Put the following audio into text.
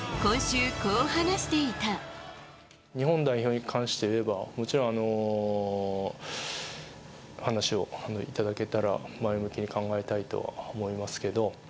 日本代表に関して言えば、もちろん、話を頂けたら前向きに考えたいと思いますけど。